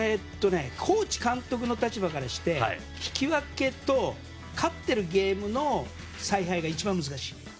コーチ、監督の立場からして引き分けと、勝ってるゲームの采配が一番難しい。